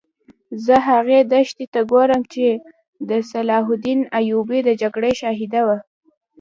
زه هغې دښتې ته ګورم چې د صلاح الدین ایوبي د جګړې شاهده وه.